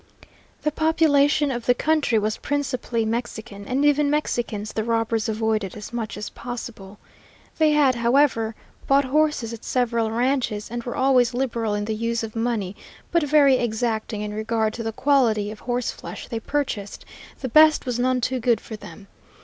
The population of the country was principally Mexican, and even Mexicans the robbers avoided as much as possible. They had, however, bought horses at several ranches, and were always liberal in the use of money, but very exacting in regard to the quality of horseflesh they purchased; the best was none too good for them.